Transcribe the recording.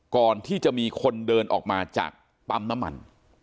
ก่อนที่จะมีคนเดินออกมาจากปั๊มน้ำมัน